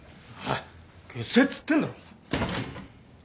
消せっつってんだろ。